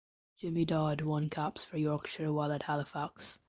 Jimmy Dodd won caps for Yorkshire while at Halifax.